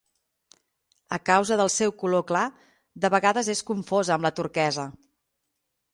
A causa del seu color clar, de vegades és confosa amb la turquesa.